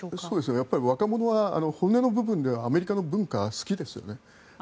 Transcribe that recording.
やっぱり若者は骨の部分ではアメリカの文化好きですよね。